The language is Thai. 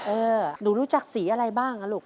หนูรู้จักสีอะไรบ้างอ่ะลูก